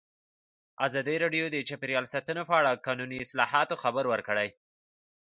ازادي راډیو د چاپیریال ساتنه په اړه د قانوني اصلاحاتو خبر ورکړی.